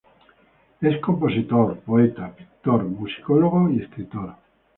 Es compositor, poeta, pintor, musicólogo y escritor.